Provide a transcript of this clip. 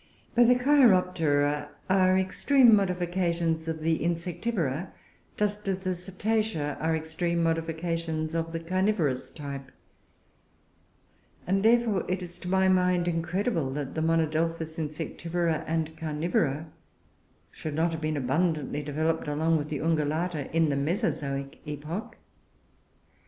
But the Cheiroptera are extreme modifications of the Insectivora, just as the Cetacea are extreme modifications of the Carnivorous type; and therefore it is to my mind incredible that monodelphous Insectivora and Carnivora should not have been abundantly developed, along with Ungulata, in the Mesozoic epoch.